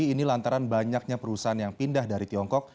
ini lantaran banyaknya perusahaan yang pindah dari tiongkok